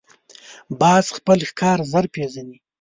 باز خپل ښکار ژر پېژني